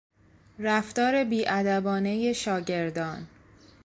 رفتار بیادبانهی شاگردان